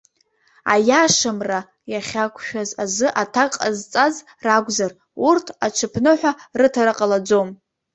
Аиашамра иахьақәшәаз азы аҭак ҟазҵаз ракәзар, урҭ аҽыԥныҳәа рыҭара ҟалаӡом.